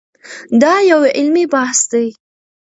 دا یو علمي بحث دی.